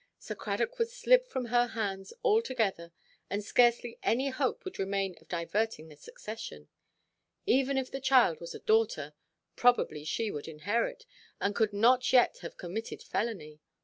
Sir Cradock would slip from her hands altogether; and scarcely any hope would remain of diverting the succession. Even if the child was a daughter, probably she would inherit, and could not yet have committed felony.